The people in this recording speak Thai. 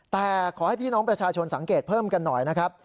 แต่ขอให้พี่น้องประชาชนสังเกตเพิ่มกันหน่อยนะครับ